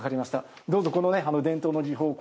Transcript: どうぞ、この伝統の技法